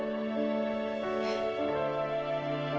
えっ？